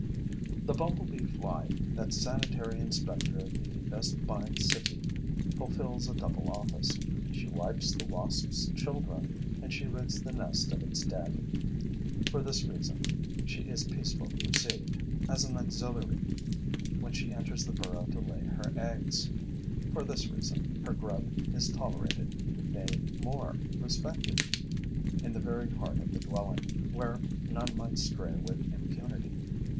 The bumblebee fly, that sanitary inspector of the Vespine city, fulfils a double office: she wipes the wasp's children and she rids the nest of its dead. For this reason, she is peacefully received, as an auxiliary, when she enters the burrow to lay her eggs; for this reason, her grub is tolerated, nay more, respected, in the very heart of the dwelling, where none might stray with impunity.